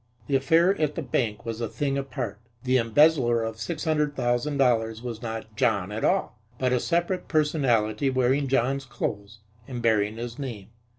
The affair at the bank was a thing apart. The embezzler of six hundred thousand dollars was not John at all, but a separate personality wearing John's clothes and bearing his name.